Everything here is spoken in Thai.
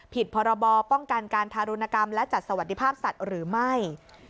พรบป้องกันการทารุณกรรมและจัดสวัสดิภาพสัตว์หรือไม่